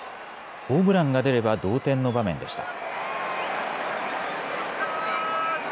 ホームランが出れば同点の場面でした。